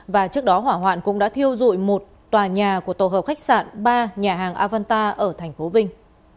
và trước đó hỏa hoạn cũng đã thiêu dụi một tòa nhà của tổ hợp khách sạn ba nhà hàng avanta ở thành phố vinh